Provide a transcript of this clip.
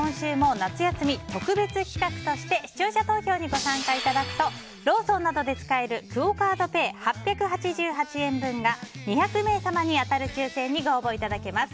また、先週に引き続き今週も夏休み特別企画として視聴者投票にご参加いただくとローソンなどで使えるクオ・カードペイ８８８円分が２００名様に当たる抽選にご応募いただけます。